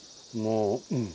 うん。